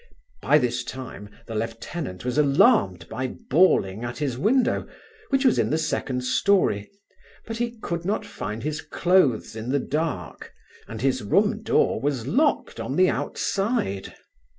By this time, the lieutenant was alarmed by bawling at his window, which was in the second story, but he could not find his cloaths in the dark, and his room door was locked on the outside.